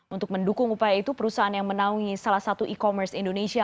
untuk mendukung upaya itu perusahaan yang menaungi salah satu e commerce indonesia